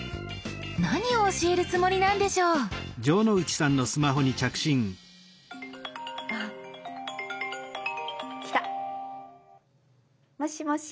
何を教えるつもりなんでしょう？来た！もしもし。